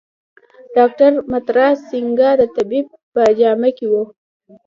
ډاکټر مترا سینګه د طبیب په جامه کې و.